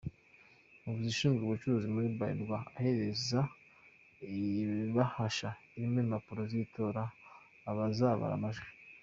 Umuyobozi ushinzwe ubucuruzi muri Braliwa ahereza ibahasha irimo impapuro z'itora abazabara amajwi.